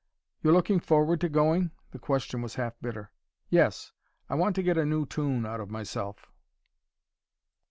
"You're looking forward to going?" The question was half bitter. "Yes. I want to get a new tune out of myself."